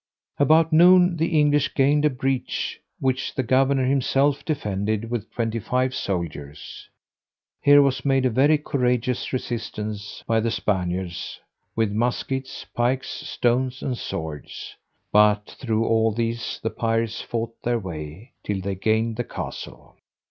About noon the English gained a breach, which the governor himself defended with twenty five soldiers. Here was made a very courageous resistance by the Spaniards, with muskets, pikes, stones, and swords; but through all these the pirates fought their way, till they gained the castle.